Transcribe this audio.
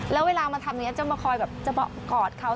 แล้วเวลามาทำอย่างนี้จะมาคอยแบบจะมากอดเขา